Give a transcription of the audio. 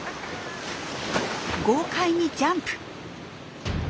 豪快にジャンプ。